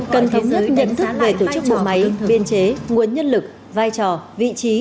cần thống nhất nhận thức về tổ chức bộ máy biên chế nguồn nhân lực vai trò vị trí